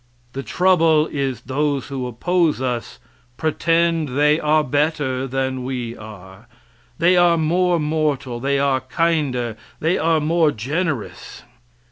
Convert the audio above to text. The trouble is those who oppose us pretend they are better than we are. They are more mortal, they are kinder, they are more generous.